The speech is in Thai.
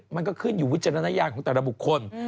มันก็ขึ้นอยู่วิจารณญาณของแต่ละบุคคล